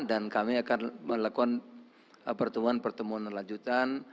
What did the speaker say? dan kami akan melakukan pertemuan pertemuan lanjutan